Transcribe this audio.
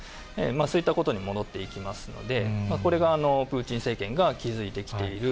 そういったことに戻っていきますので、これがプーチン政権が築いてきている